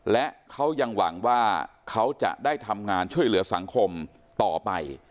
และเขายังหวังว่าเขาจะได้ทำงานช่วยเหลือสังคมต่อไป